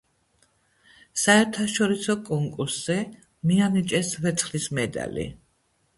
საერთაშორისო კონკურსზე მიანიჭეს ვერცხლის მედალი.